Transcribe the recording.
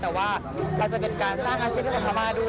แต่ว่ามันจะเป็นการสร้างอาชีพให้กับพม่าด้วย